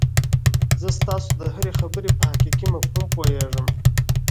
زه ستاسو د هرې خبرې په حقيقي مفهوم پوهېږم.